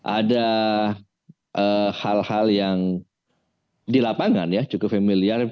ada hal hal yang di lapangan ya cukup familiar